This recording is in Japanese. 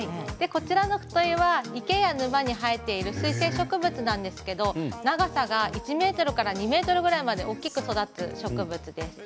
こちらのフトイは池や沼に生えている水生植物なんですけど長さが１ｍから２ｍぐらいまで大きく育つ植物です。